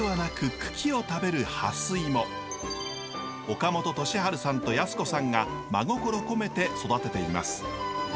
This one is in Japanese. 岡本利春さんと康子さんが真心込めて育てています。